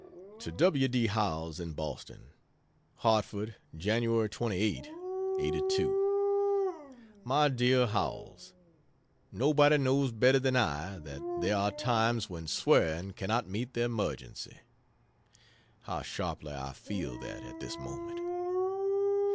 To W. D. Howells, in Boston: HARTFORD, Jan. 28 '82. MY DEAR HOWELLS, Nobody knows better than I, that there are times when swearing cannot meet the emergency. How sharply I feel that, at this moment.